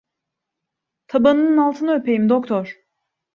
Dabanının altını öpeyim doktor…